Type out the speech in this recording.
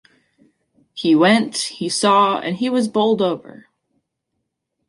He went, he saw and he was bowled over.